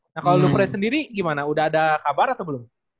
nah kalau lu fresh sendiri gimana udah ada kabar atau belum